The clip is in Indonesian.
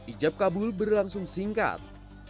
ijab kabul berlangsung singkat